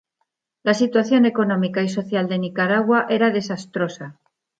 La situación económica y social de Nicaragua era desastrosa.